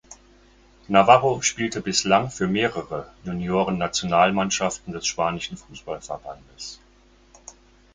Navarro spielte bislang für mehrere Juniorennationalmannschaften des spanischen Fußballverbandes.